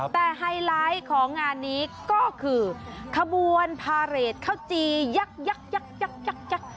แต่ไฮไลท์ของงานนี้ก็คือขบวนพาเรทข้าวจียักยักยัก